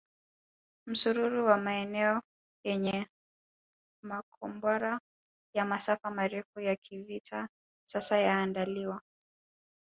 Msururu wa maeneo yenye makombora ya masafa marefu ya kivita sasa yanaandaliwa